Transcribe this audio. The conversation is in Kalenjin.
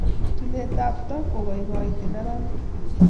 tulet ap trap kokaikaiti neranik